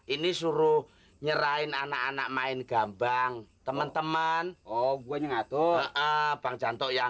ini suruh nyerahin anak anak main gambang teman teman oh gue nyatur bang janto yang